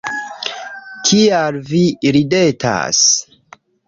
Kial vi ridetas?